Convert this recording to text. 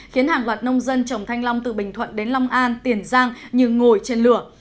khiến hàng loạt nông dân trồng thanh long từ bình thuận đến long an tiền giang như ngồi trên lửa